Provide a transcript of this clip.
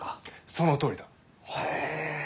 そのとおりだ！へえ。